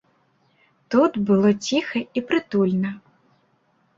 Тут было ціха і прытульна.